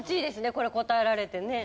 これ答えられてね。